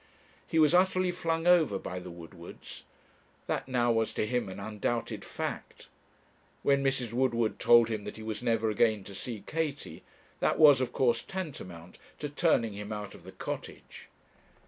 He was utterly flung over by the Woodwards; that now was to him an undoubted fact. When Mrs. Woodward told him that he was never again to see Katie, that was, of course, tantamount to turning him out of the Cottage.